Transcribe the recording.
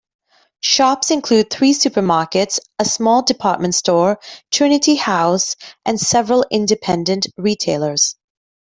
Shops include three supermarkets, a small department store, Trinity House, and several independent retailers.